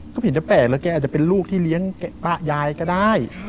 ก็ผิดจะแปลกแล้วแกอาจจะเป็นลูกที่เลี้ยงป้ายายก็ได้